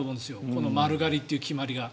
この丸刈りという決まりが。